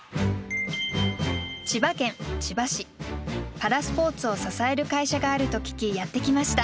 パラスポーツを支える会社があると聞きやって来ました。